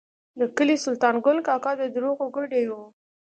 د کلي سلطان ګل کاکا د دروغو ګوډی و.